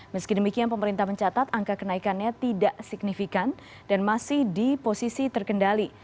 meski demikian pemerintah mencatat angka kenaikannya tidak signifikan dan masih di posisi terkendali